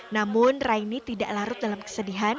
namun raini tidak larut dalam kesedihan